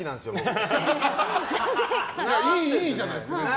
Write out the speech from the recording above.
いいじゃないですか、別に。